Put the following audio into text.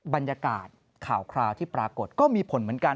บรรยากาศข่าวคราวที่ปรากฏก็มีผลเหมือนกัน